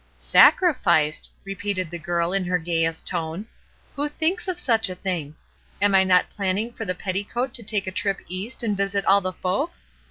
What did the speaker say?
"Sacrificed!" repeated the girl, in her gayest tone. "Who thinks of such a thing? Am I not planning for the petticoat to take a trip East and visit all the folks?